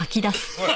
おい！